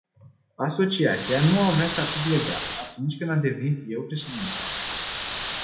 Asociația nu avea statut legal atunci când am devenit eu președinte.